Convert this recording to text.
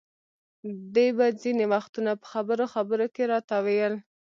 دې به ځینې وختونه په خبرو خبرو کې راته ویل.